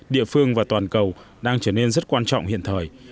địa phương và toàn cầu đang trở nên rất quan trọng hiện thời